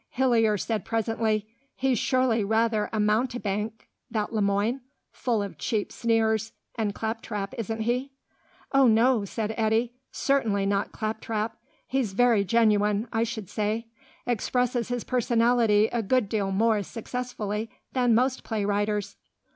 Hillier said presently, "He's surely rather a mountebank, that Le Moine? Full of cheap sneers and clap trap, isn't he?" "Oh, no," said Eddy. "Certainly not clap trap. He's very genuine, I should say; expresses his personality a good deal more successfully than most play writers."